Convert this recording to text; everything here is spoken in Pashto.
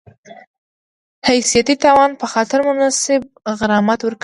حیثیتي تاوان په خاطر مناسب غرامت ورکړي